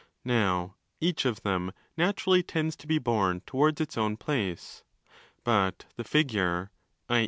Now each of them naturally tends to be borne*towards its own place: but the 'figure' —i.